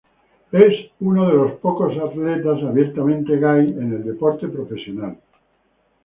Es uno de los pocos atletas abiertamente gay en el deporte profesional.